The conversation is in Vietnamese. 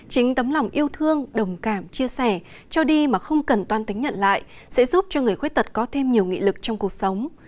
chính tấm lòng yêu thương đồng cảm chia sẻ cho đi mà không cần toan tính nhận lại sẽ giúp cho người khuyết tật có thêm nhiều nghị lực trong cuộc sống